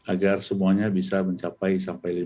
agar semuanya bisa mencapai sampai